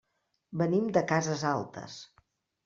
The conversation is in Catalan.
Venim de Casas Altas.